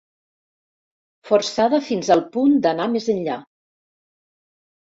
Forçada fins al punt d'anar més enllà.